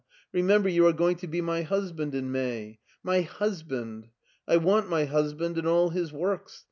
" Remember you are going to be my husband in May. My husband! I want my husband and all his works.